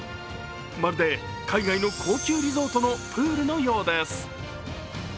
まるで海外の高級リゾートのプールのようです。